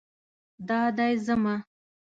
دا دی ځمه